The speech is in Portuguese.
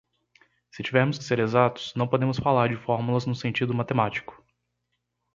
Se tivermos que ser exatos, não podemos falar de fórmulas no sentido matemático.